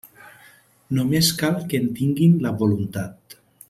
Només cal que en tinguin la voluntat.